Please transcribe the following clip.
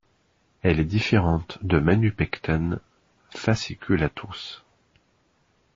Elle est différente de Manupecten fasciculatus.